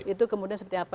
itu kemudian seperti apa